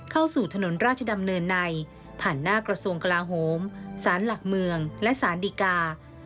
เข้าสู่ถนนราชดำเนินในผ่านหน้ากระทรวงกลาโหมสารหลักเมืองและสารดีกา